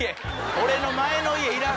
俺の前の家いらん！